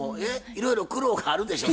いろいろ苦労があるでしょ？